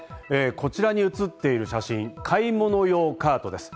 こちらに写っている写真、買い物用カートです。